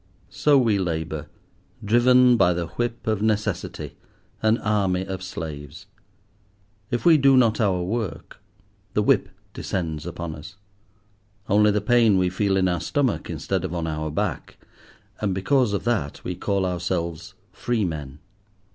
So we labour, driven by the whip of necessity, an army of slaves. If we do not our work, the whip descends upon us; only the pain we feel in our stomach instead of on our back. And because of that, we call ourselves free men.